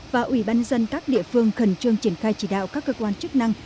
và ủy ban dân các địa phương khẩn trương triển khai chỉ đạo các cơ quan chức năng